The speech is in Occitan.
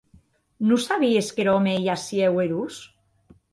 Non sabies qu’er òme ei aciu erós?